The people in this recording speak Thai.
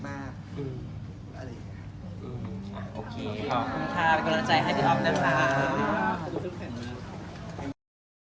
ขอบคุณค่ะเป็นกำลังใจให้พี่อ๊อฟนะครับ